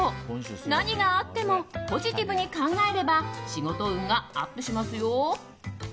何があってもポジティブに考えれば仕事運がアップしますよ。